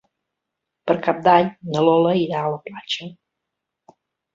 Per Cap d'Any na Lola irà a la platja.